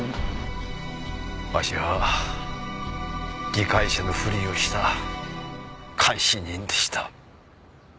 わしは理解者のふりをした監視人でした。